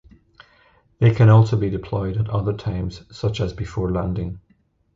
They can also be deployed at other times, such as before landing.